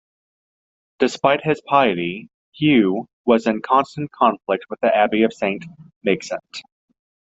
Despite his piety, Hugh was in constant conflict with the abbey of Saint Maixent.